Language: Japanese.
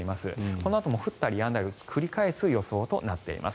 このあとも降ったりやんだりを繰り返す予想となっています。